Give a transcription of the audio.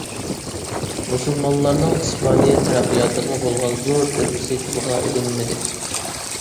مۇسۇلمانلارنىڭ ئىسپانىيە تەرەققىياتىغا بولغان زور تۆھپىسى تىلغا ئېلىنمىدى.